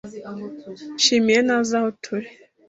Nshimiye ntazi aho turi.